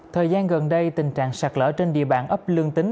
thời gian gần đây tình trạng sạt lỡ trên địa bàn ấp lương tính